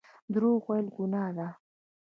درواغ ویل ګناه ده